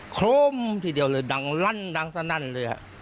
คล่อมทีเดียวเลยดังลั่นดังซะนั่นเลยค่ะ